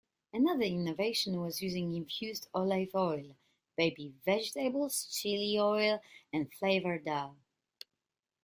Another innovation was using infused olive oil, baby vegetables, chili oil, and flavored dough.